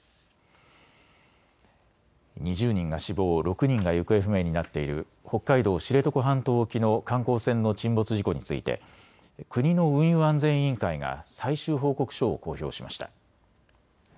２０人が死亡、６人が行方不明になっている北海道、知床半島沖の観光船の沈没事故について国の運輸安全委員会が最終報告書を公表しました。